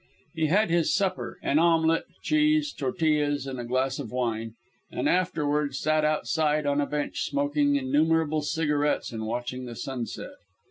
He had his supper an omelet, cheese, tortillas, and a glass of wine and afterward sat outside on a bench smoking innumerable cigarettes and watching the sun set.